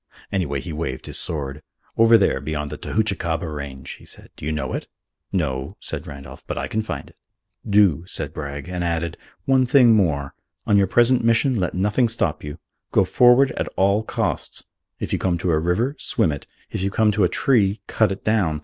Anyway, he waved his sword. "Over there beyond the Tahoochicaba range," he said. "Do you know it?" "No," said Randolph, "but I can find it." "Do," said Bragg, and added, "One thing more. On your present mission let nothing stop you. Go forward at all costs. If you come to a river, swim it. If you come to a tree, cut it down.